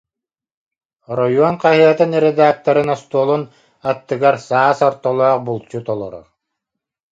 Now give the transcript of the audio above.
Оройуон хаһыатын редакторын остуолун аттыгар саас ортолоох булчут олорор